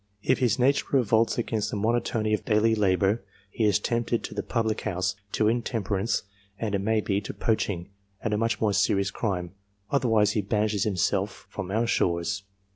If his nature revolts against the monotony of daily labour, he is tempted to the public house, to intemperance, and, it may be, to poaching, and to much more serious crime ; otherwise he banishes himself from our shores.